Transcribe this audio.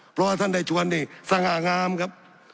เพราะว่าท่านได้ชวนนี่สง่างามครับ